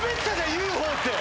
「ＵＦＯ」って！